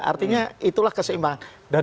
artinya itulah keseimbangan